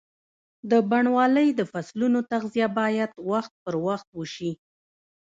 د بڼوالۍ د فصلونو تغذیه باید وخت پر وخت وشي.